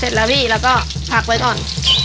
เสร็จแล้วพี่แล้วก็ผักไว้ก่อน